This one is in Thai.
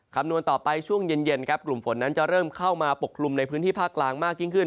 คำนวณต่อไปช่วงเย็นครับกลุ่มฝนนั้นจะเริ่มเข้ามาปกคลุมในพื้นที่ภาคกลางมากยิ่งขึ้น